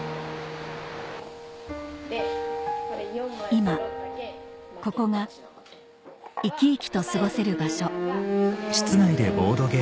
今ここが生き生きと過ごせる場所